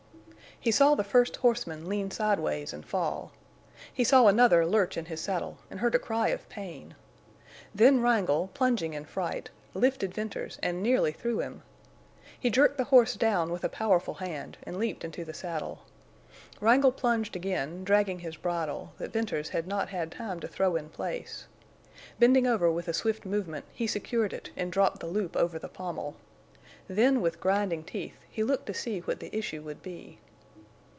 He saw the first horseman lean sideways and fall. He saw another lurch in his saddle and heard a cry of pain. Then Wrangle, plunging in fright, lifted Venters and nearly threw him. He jerked the horse down with a powerful hand and leaped into the saddle. Wrangle plunged again, dragging his bridle, that Venters had not had time to throw in place. Bending over with a swift movement, he secured it and dropped the loop over the pommel. Then, with grinding teeth, he looked to see what the issue would be.